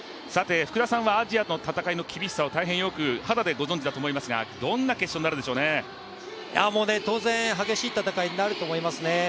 福田さんはアジアの戦いの厳しさを大変よく肌で感じられていると思いますが当然激しい戦いになると思いますね。